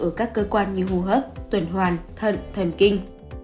ở các cơ quan như hù hấp tuyển hoàn thận thần kinh